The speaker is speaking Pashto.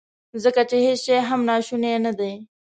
ځکه چې هیڅ شی هم ناشونی ندی.